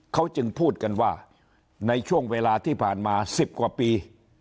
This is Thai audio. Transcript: เขาจึงพูดกันว่าในช่วงเวลาที่ผ่านมา๑๐กว่าปี